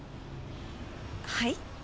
はい？